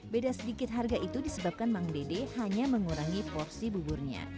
beda sedikit harga itu disebabkan mang dede hanya mengurangi porsi buburnya